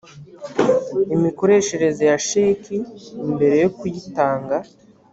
imikoreshereze ya sheki mbere yo kuyitanga